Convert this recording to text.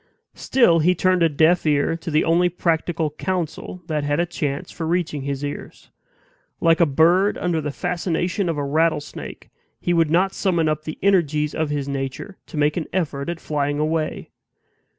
Still he turned a deaf ear to the only practical counsel that had a chance for reaching his ears. Like a bird under the fascination of a rattlesnake, he would not summon up the energies of his nature to make an effort at flying away.